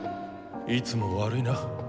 いつも悪いな。